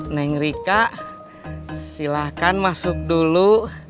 neng rika silahkan masuk dulu